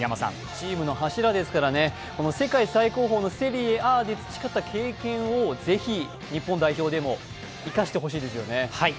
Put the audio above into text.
チームの柱ですから世界最高峰のセリエＡで培った経験をぜひ日本代表でも生かしてほしいですよね。